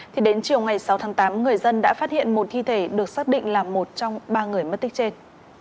thì đến chiều ngày sáu tháng tám người dân đã phát hiện một thi thể được xác định là một trong ba người mất tích trên